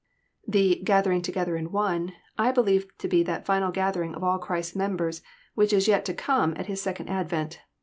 The gathering together in one," I believe to be that final gathering of all Christ's members which is yet to come at His second advent.